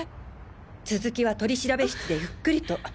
続きは取調室でゆっくりと。